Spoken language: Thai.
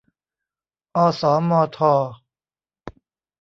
อสมท